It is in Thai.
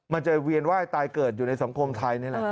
มันจะเวียนไหว้ตายเกิดอยู่ในสังคมไทยนี่แหละ